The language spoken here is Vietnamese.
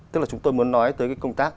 tức là chúng tôi muốn nói tới cái công tác